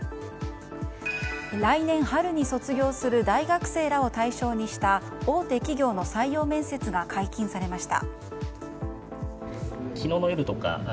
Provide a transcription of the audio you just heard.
来年春に卒業する大学生らを対象にした大手企業の採用面接が解禁されました。